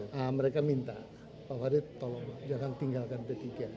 nah mereka minta pak farid tolong jangan tinggalkan p tiga